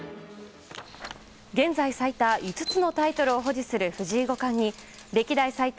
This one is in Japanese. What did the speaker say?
現在最多５つのタイトルを保持する藤井五冠に歴代最多